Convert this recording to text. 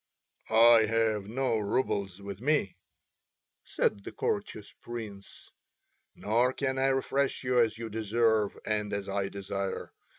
"I have no roubles with me," said the courteous Prince, "nor can I refresh you as you deserve and as I desire.